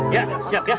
ya siap ya